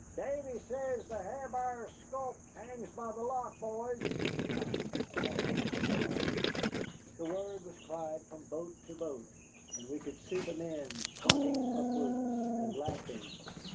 "Davy says the Ha'r Buyer's sculp hangs by the lock, boys," he shouted, pointing at the sun. The word was cried from boat to boat, and we could see the men pointing upwards and laughing.